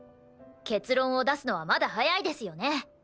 結論を出すのはまだ早いですよね？